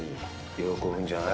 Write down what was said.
喜ぶんじゃない？